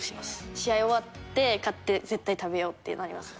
試合終わって、勝って、絶対食べようってなりますね。